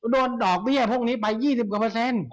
โดนดอกเบี้ยพวกนี้ไป๒๐กว่าเปอร์เซ็นต์